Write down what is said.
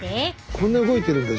こんな動いてるんだ